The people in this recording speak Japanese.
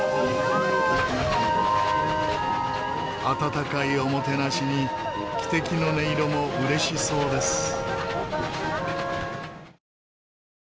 あたたかいおもてなしに汽笛の音色もうれしそうです。